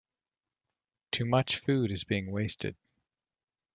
Too much food is being wasted.